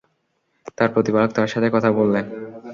তাঁর প্রতিপালক তার সাথে কথা বললেন।